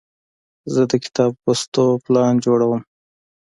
زه د کتاب لوستلو پلان جوړوم.